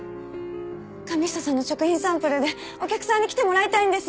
神下さんの食品サンプルでお客さんに来てもらいたいんです。